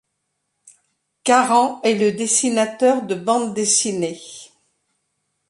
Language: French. Karan est dessinateur de bandes dessinées.